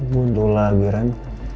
butuh lagi ren